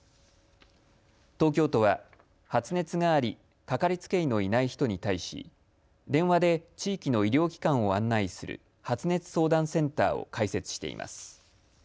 東京都は発熱があり、かかりつけ医のいない人に対し電話で地域の医療機関を案内する発熱相談センターを開設しています。